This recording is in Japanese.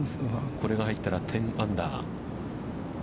これが入ったら、１０アンダー。